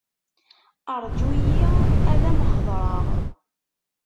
Ṛğu-yi ad am-hedṛeɣ.